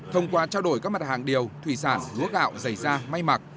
thông qua trao đổi các mặt hàng điều thủy sản húa gạo giày da may mặc